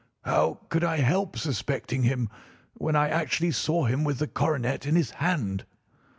"How could I help suspecting him, when I actually saw him with the coronet in his hand?"